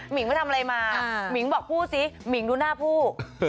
ิงไปทำอะไรมาหมิงบอกพูดสิหมิงดูหน้าผู้